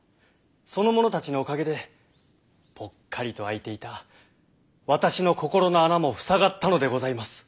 その者たちのおかげでぽっかりとあいていた私の心の穴も塞がったのでございます。